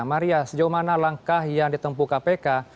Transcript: maria sejauh mana langkah yang ditempu kpk